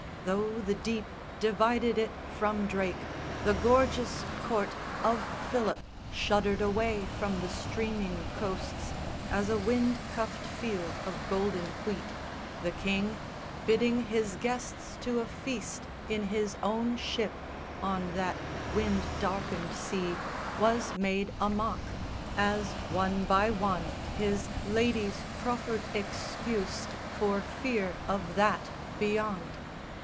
Though the deep Divided it from Drake, the gorgeous court Of Philip shuddered away from the streaming coasts As a wind cuffed field of golden wheat. The King, Bidding his guests to a feast in his own ship On that wind darkened sea, was made a mock, As one by one his ladies proffered excuse For fear of That beyond.